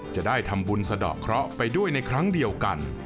จะได้ทำบุญสะดอกเคราะห์ไปด้วยในครั้งเดียวกัน